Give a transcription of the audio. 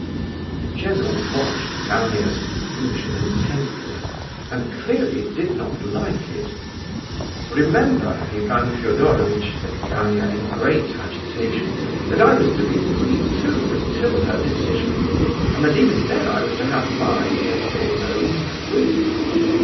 The general watched Gania's confusion intently, and clearly did not like it. "Remember, Ivan Fedorovitch," said Gania, in great agitation, "that I was to be free too, until her decision; and that even then I was to have my 'yes or no' free."